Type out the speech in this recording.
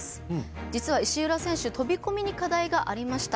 実は石浦選手飛び込みに課題がありました。